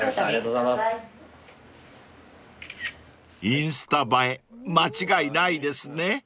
［インスタ映え間違いないですね］